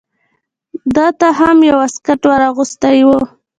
ده ته هم یو واسکټ ور اغوستی و.